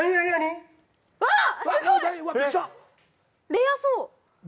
レアそう。何？